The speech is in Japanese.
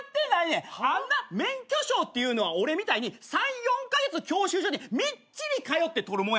あんな免許証っていうのは俺みたいに３４カ月教習所にみっちり通って取るもんやねん。